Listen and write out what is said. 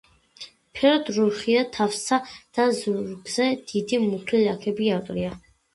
ფერად რუხია, თავსა და ზურგზე დიდი მუქი ლაქები აყრია.